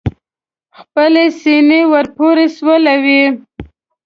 خپلې سینې ور پورې سولوي.